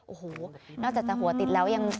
โอ้โหนอกจากจะหัวติดแล้วยัง